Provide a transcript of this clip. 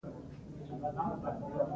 زه کور ته ځم